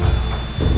dan kita harus menang